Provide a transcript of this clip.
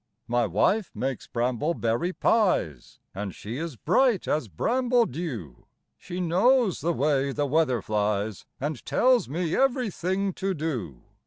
My wife makes bramble berry pies, And she is bright as bramble dew, She knows the way the weather flies, And tells me every thing to do.